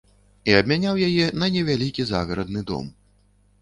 Я абмяняў яе на невялікі загарадны дом.